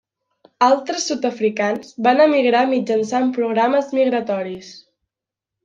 Altres sud-africans van emigrar mitjançant programes migratoris.